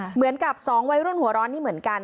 เหมือนกับสองวัยรุ่นหัวร้อนนี่เหมือนกัน